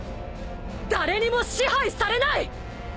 誰にも支配されない！